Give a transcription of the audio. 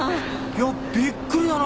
いやびっくりだな。